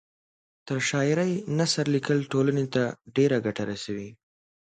تر شاعرۍ نثر لیکل ټولنۍ ته ډېره ګټه رسوي